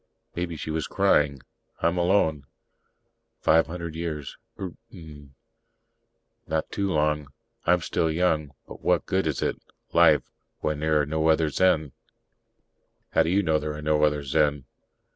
Maybe she was crying. "I'm alone. Five hundred years, Eert mn not too long. I'm still young. But what good is it life when there are no other Zen?" "How do you know there are no other Zen?"